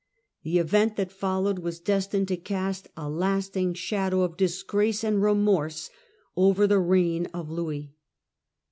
The event that followed was destined to cast a lasting shadow of dis grace and remorse over the reign of Louis.